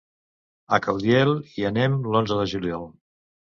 A Caudiel hi anem l'onze de juliol.